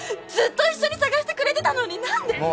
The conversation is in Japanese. ずっと一緒に捜してくれてたのに何で？